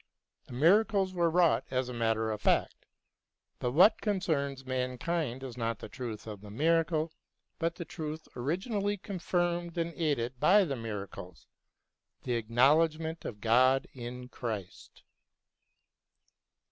The miracles were wrought BROWNING AND LESSING 239 as a matter of fact ; but what concerns mankind is not the truth of the miracles, but the truth originally confirmed and aided by the miracles — the acknowledgment of God in Christ.